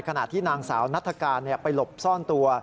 ขณะที่นางสาวนัฐกาลไปหลบซ่อนตัว